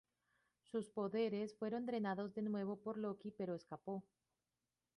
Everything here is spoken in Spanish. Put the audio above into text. Sus poderes fueron drenados de nuevo por Loki, pero escapó.